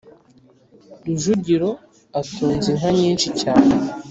Rujugiro atunze inka nyinshi cyane